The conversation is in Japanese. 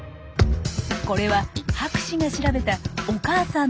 これは博士が調べたお母さんの軌跡。